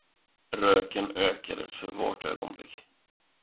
Röken ökades för vart ögonblick.